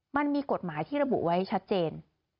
มันมีกฎหมายที่ระบุไว้ชัดเจน